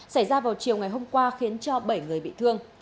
xảy ra vào chiều ngày hôm qua khiến cho bảy người bị thương